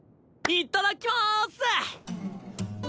いっただっきます！